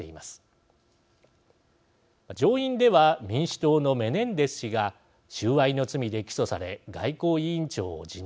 上院では民主党のメネンデス氏が収賄の罪で起訴され外交委員長を辞任。